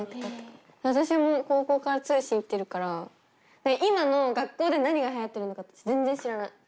私も高校から通信行ってるから今の学校で何がはやってるのかって全然知らない。